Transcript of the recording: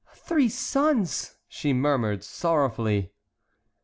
three sons!" she murmured, sorrowfully.